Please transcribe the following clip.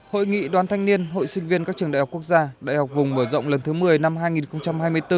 hội nghị đoàn thanh niên hội sinh viên các trường đại học quốc gia đại học vùng mở rộng lần thứ một mươi năm hai nghìn hai mươi bốn